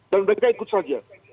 dan mereka ikut saja